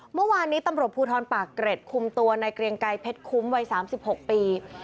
เมื่อวานนี้ตำรวจภูทรปากเกร็ดคุมตัวในเกรียงไกรเพชรคุ้มวัย๓๖ปี